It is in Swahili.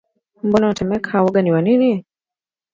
Mbona unatetemeka? Woga ni wa nini?